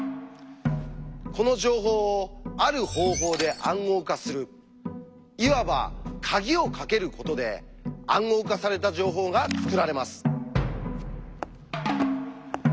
この情報をある方法で暗号化するいわば鍵をかけることで「暗号化された情報」が作られます。